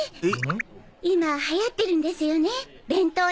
今流行ってるんですよね弁当男子。